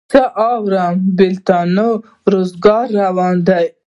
څه اورم بېلتونه د روزګار روان